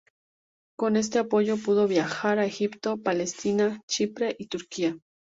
Con este apoyo pudo viajar a Egipto, Palestina, Chipre y Turquía.